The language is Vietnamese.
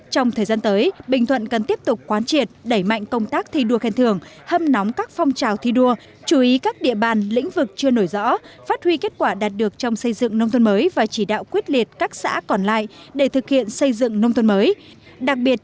trong thời gian tới bình thuận cần tiếp tục quán triệt đẩy mạnh công tác thi đua khen thưởng hâm nóng các phong trào thi đua chú ý các địa bàn lĩnh vực chưa nổi rõ phát huy kết quả đạt được trong xây dựng nông thôn mới và chỉ đạo quyết liệt các xã còn lại để thực hiện xây dựng nông thôn mới